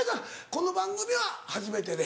この番組は初めてで。